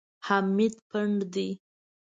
حمید پنډ دی.